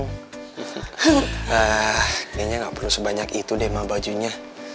kayaknya gak perlu sebanyak itu deh sama bajunya